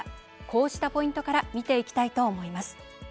こうしたポイントから見ていきたいと思います。